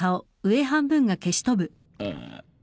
ああ。